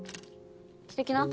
着てきな。